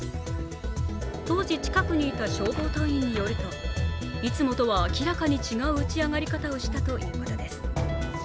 当時、近くにいた消防隊員によるといつもとは明らかに違う打ち上がり方をしたということです。